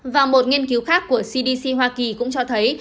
và một nghiên cứu khác của cdc hoa kỳ cũng cho thấy